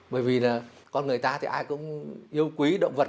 bởi vì là con người ta thì ai cũng yêu quý động vật